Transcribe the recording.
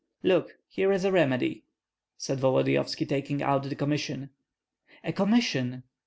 "Look, here is a remedy!" said Volodyovski, taking out the commission. "A commission!"